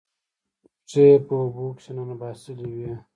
پښې یې په اوبو کې ننباسلې وې